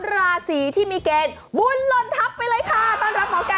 ๓ราศีที่มีเกณฑ์วุ่นลนทับไปเลยค่ะ